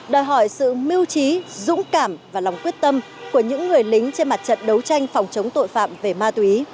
đòi hỏi sự mưu trí dũng cảm và lòng quyết tâm của những người lính trên mặt trận đấu tranh phòng chống tội phạm về ma túy